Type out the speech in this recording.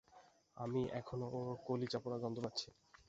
আমি এখনও ওর কলিজা পোড়া গন্ধ পাচ্ছি।